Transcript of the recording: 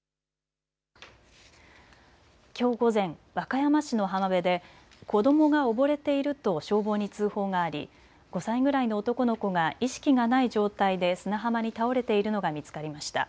きょう午前、和歌山市の浜辺で子どもが溺れていると消防に通報があり５歳ぐらいの男の子が意識がない状態で砂浜に倒れているのが見つかりました。